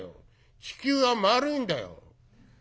地球は丸いんだよ。